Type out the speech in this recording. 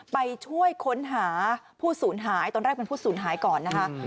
ไปช่วยค้นหาผู้สูญหายตอนแรกเป็นผู้สูญหายก่อนนะคะ